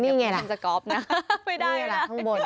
นี่ไงล่ะไม่ได้ล่ะ